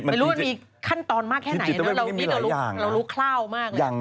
ไม่รู้ว่ามีขั้นตอนมากแค่ไหนเรารู้คร่าวมากเลย